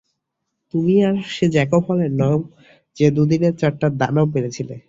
তুমি আর সে জ্যাকব হল্যান্ড নও যে দুদিনে চারটা দানব মেরেছিল।